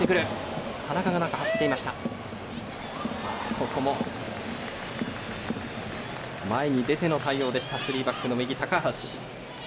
ここも前に出ての対応でした３バックの右、高橋。